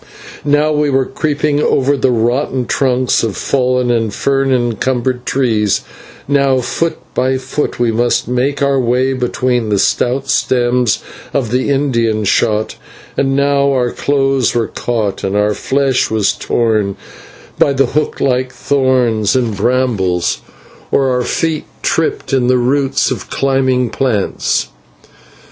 Now we were creeping over the rotten trunks of fallen and fern encumbered trees, now foot by foot we must make our way between the stout stems of the Indian Shot, and now our clothes were caught and our flesh was torn by the hook like thorns and brambles, or our feet tripped in the roots of climbing plants.